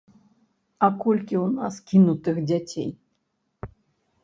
А колькі ў нас кінутых дзяцей?